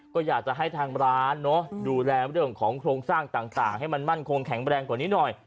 ก็อยากจะให้ทางร้านเนอะดูแลเรื่องของโครงสร้างต่างให้มันมั่นคงแข็งแรงกว่านี้หน่อย